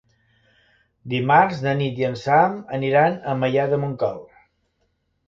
Dimarts na Nit i en Sam aniran a Maià de Montcal.